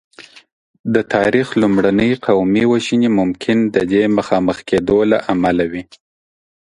د تاریخ لومړنۍ قومي وژنې ممکن د دې مخامخ کېدو له امله وې.